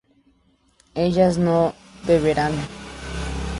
ellas no beberán